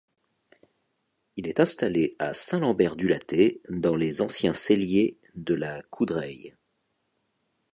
Il est installé à Saint-Lambert du Lattay dans les anciens celliers de la Coudraye.